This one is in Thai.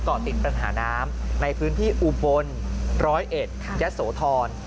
ติดปัญหาน้ำในพื้นที่อุบล๑๐๑ยะโสธร